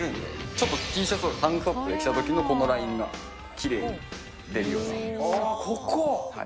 ちょっとＴシャツとかタンクトップを着たときのこのラインがきれああ、ここ？